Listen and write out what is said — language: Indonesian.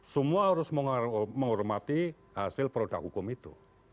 semua harus menghormati hasil produk hukum itu